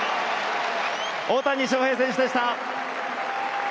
大谷翔平選手でした。